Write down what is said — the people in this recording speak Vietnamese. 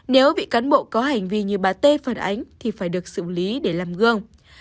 nếu bị cán bộ có hành vi như bà tê phản ánh thì phải được xử lý để làm gương